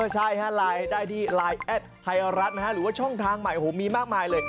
ใช่ไลน์ได้ที่ไลน์แอดไทยรัฐหรือว่าช่องทางใหม่โอ้โหมีมากมายเลย